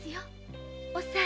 おさい